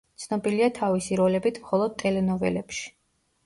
ცნობილია თავისი როლებით მხოლოდ ტელენოველებში.